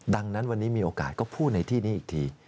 ดังนั้นวันนี้มีโอกาสก็พูดในที่นี้อีกที